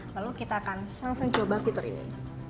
lalu kita akan langsung coba fitur ini